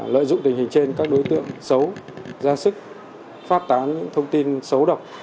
lợi dụng tình hình trên các đối tượng xấu ra sức phát tán những thông tin xấu độc